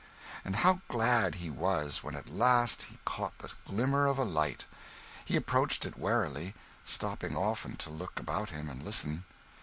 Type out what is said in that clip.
And how glad he was when at last he caught the glimmer of a light! He approached it warily, stopping often to look about him and listen.